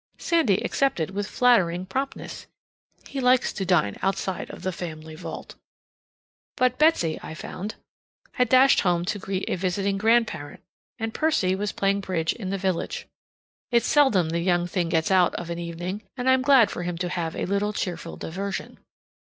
Sandy accepted with flattering promptness. He likes to dine outside of the family vault. But Betsy, I found, had dashed home to greet a visiting grandparent, and Percy was playing bridge in the village. It's seldom the young thing gets out of an evening, and I'm glad for him to have a little cheerful diversion.